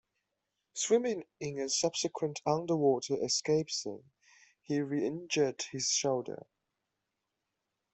Swimming in a subsequent underwater escape scene, he re-injured his shoulder.